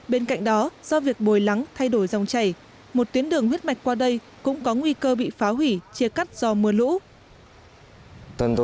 bên cạnh đó do việc bồi lắng thay đổi dòng chảy một tuyến đường huyết mạch qua đây cũng có nguy cơ bị phá hủy chia cắt do mưa lũ